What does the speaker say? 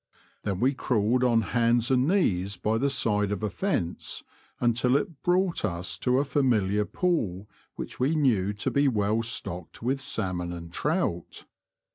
Then we crawled on hands and knees by the side of a fence until it brought us to a familiar pool which we knew to be well stocked with salmon and trout.